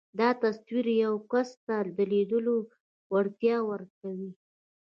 دا تصور يو کس ته د ليدلو وړتيا ورکوي.